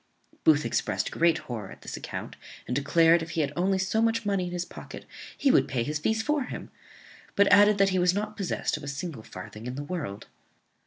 Booth exprest great horror at this account, and declared, if he had only so much money in his pocket, he would pay his fees for him; but added that he was not possessed of a single farthing in the world.